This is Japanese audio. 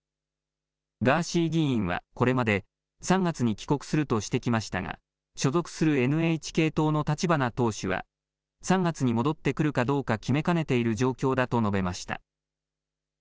ガーシー議員はこれまで、３月に帰国するとしてきましたが、所属するＮＨＫ党の立花党首は、３月に戻ってくるかどうか決めかねている状況だと述べました。